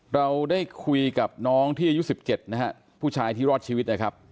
เราได้คุยกับน้องที่อายุ๑๗นะฮะผู้ชายที่รอดชีวิตนะครับ